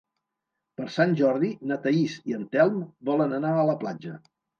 Per Sant Jordi na Thaís i en Telm volen anar a la platja.